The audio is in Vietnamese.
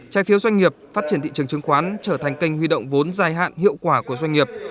trái phiếu doanh nghiệp phát triển thị trường chứng khoán trở thành kênh huy động vốn dài hạn hiệu quả của doanh nghiệp